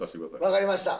わかりました。